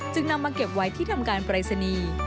นำมาเก็บไว้ที่ทำการปรายศนีย์